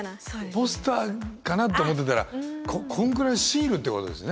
ポスターかなと思ってたらこんくらいのシールってことですね。